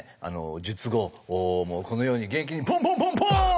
術後このように元気にポンポンポンポーン！